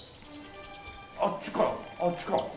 あっちかあっちか。